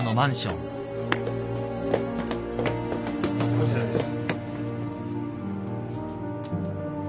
こちらです。